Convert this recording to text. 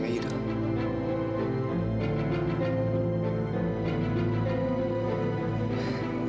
tapi kita pun pake nama